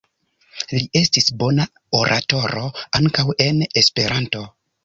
Li estis bona oratoro ankaŭ en Esperanto.